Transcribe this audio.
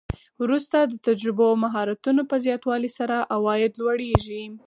وروسته د تجربو او مهارتونو په زیاتوالي سره عواید لوړیږي